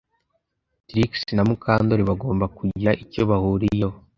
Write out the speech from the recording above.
Trix na Mukandoli bagomba kugira icyo bahuriyeho